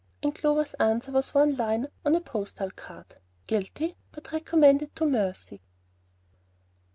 And Clover's answer was one line on a postal card, "Guilty, but recommended to mercy!"